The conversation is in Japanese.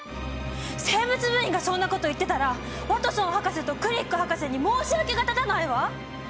生物部員がそんなこと言ってたらワトソン博士とクリック博士に申し訳がたたないわ！